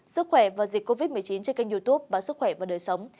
sức khỏe và dịch covid một mươi chín trên kênh youtube và sức khỏe và đời sống